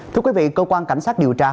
thưa quý vị cơ quan cảnh sát điều tra